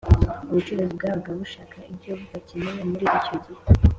ubucuruzi Bwabaga bashaka ibyo bakeneye muri icyo gihe